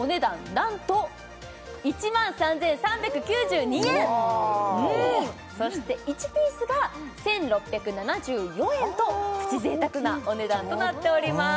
なんと１万３３９２円！わおそして１ピースが１６７４円とプチ贅沢なお値段となっております